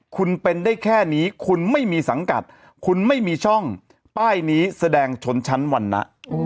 คุณเป็นได้แค่นี้คุณไม่มีสังกัดคุณไม่มีช่องป้ายนี้แสดงชนชั้นวรรณะ